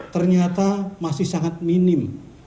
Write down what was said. ternyata masih sangat minim